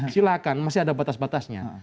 silakan masih ada batas batasnya